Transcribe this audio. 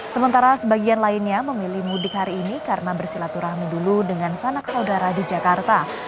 sementara sebagian lainnya memilih mudik hari ini karena bersilaturahmi dulu dengan sanak saudara di jakarta